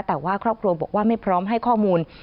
แต่ว่าครอบครัวบอกว่าไม่พร้อมให้ข้อมูล